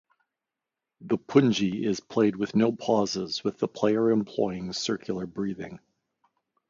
The pungi is played with no pauses, with the player employing circular breathing.